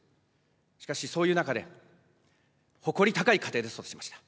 しかしそういう中で、誇り高い家庭で育ちました。